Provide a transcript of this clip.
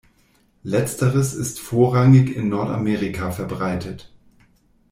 Letzteres ist vorrangig in Nordamerika verbreitet.